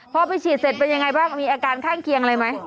พอไปฉีดเสร็จเป็นยังไงบ้างมีอาการข้างเคียงอะไรไหม